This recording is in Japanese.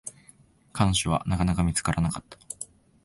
彼女は、なかなか見つからなかった。